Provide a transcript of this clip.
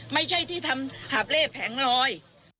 ไม่ใช่ที่ทำหาบเล่แผงลอย